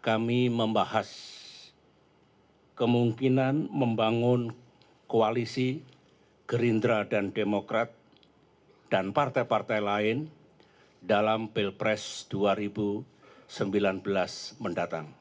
kami membahas kemungkinan membangun koalisi gerindra dan demokrat dan partai partai lain dalam pilpres dua ribu sembilan belas mendatang